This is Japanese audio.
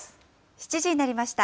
７時になりました。